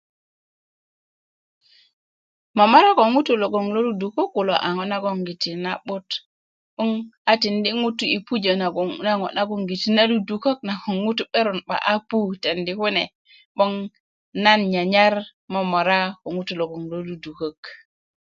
momora ko ŋutuu lo ludukök kulo a ŋo' nagoŋgiti na'but 'boŋ a tindi ŋutu yi pujö na ŋo' nagoŋ 'but nagoŋ ŋutu 'beron 'ba i momorani kune 'boŋ nan nyanyar momora ko ŋutuu lo ludukök